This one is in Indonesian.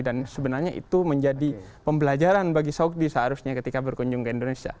dan sebenarnya itu menjadi pembelajaran bagi saudi seharusnya ketika berkunjung ke indonesia